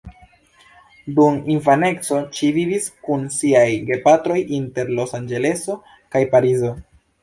Dum infaneco ŝi vivis kun siaj gepatroj inter Los-Anĝeleso kaj Parizo.